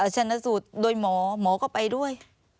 ชนะสูตรโดยหมอหมอก็ไปด้วย